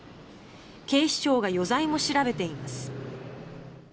警視庁が余罪も調べています。